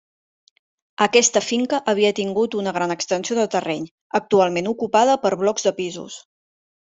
Aquesta finca havia tingut una gran extensió de terreny, actualment ocupada per blocs de pisos.